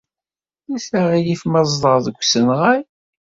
Ulac aɣilif ma ẓẓleɣ ɣef usenɣay?